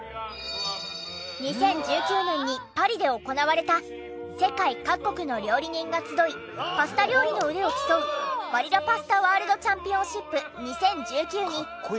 ２０１９年にパリで行われた世界各国の料理人が集いパスタ料理の腕を競うバリラ・パスタ・ワールド・チャンピオンシップ２０１９に日本代表として出場し。